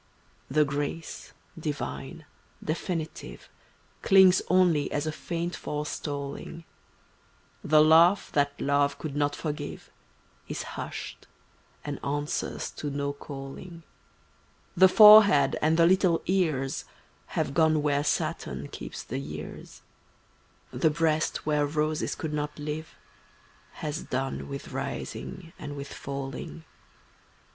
The grace, divine, definitive, Clings only as a faint forestalling; The laugh that love could not forgive Is hushed, and answers to no calling; The forehead and the little ears Have gone where Saturn keeps the years; The breast where roses could not live Has done with rising and with falling.